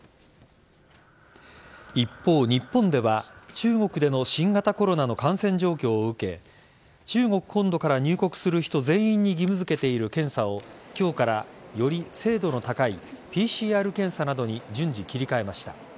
一方、日本では中国での新型コロナの感染状況を受け中国本土から入国する人全員に義務付けている検査を今日からより精度の高いＰＣＲ検査などに順次、切り替えました。